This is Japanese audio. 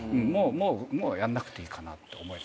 もうやんなくていいかなって思えた。